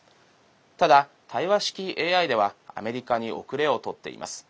ただ対話式ＡＩではアメリカに後れを取っています。